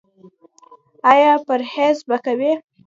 ایا پرهیز به کوئ؟